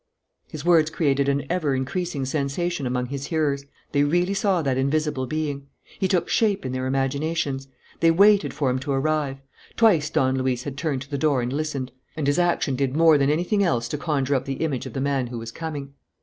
His words created an ever increasing sensation among his hearers. They really saw that invisible being. He took shape in their imaginations. They waited for him to arrive. Twice Don Luis had turned to the door and listened. And his action did more than anything else to conjure up the image of the man who was coming.